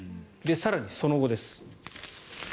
更にその後です。